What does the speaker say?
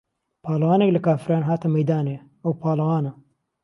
پاڵهوانێک له کافران هاته مەیدانێ، ئەو پاڵەوانە